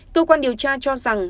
cơ quan điều tra cho rằng